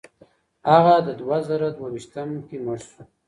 هغه د دوه زره دوه ویشتم کي مړ سو.